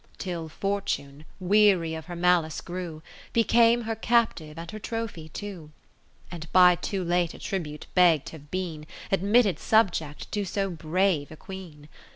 Till Fortune weary of her malice grew, Became her captive and her trophy too : 20 And by too late a tribute begg'd t' have been Admitted subject to so brave a Queen.